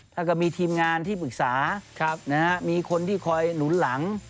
แล้วก็มีทีมงานที่ปรึกษามีคนที่คอยหนุนหลัง